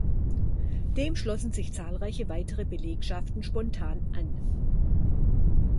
Dem schlossen sich zahlreiche weitere Belegschaften spontan an.